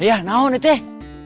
ayah naon ya kek